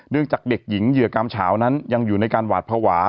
จากเด็กหญิงเหยื่อกรรมเฉานั้นยังอยู่ในการหวาดภาวะ